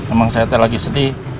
emang saya lagi sedih